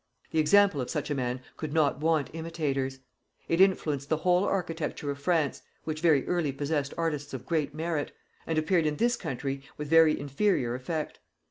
The example of such a man could not want imitators; it influenced the whole architecture of France, which very early possessed artists of great merit, and appeared in this country with very inferior effect.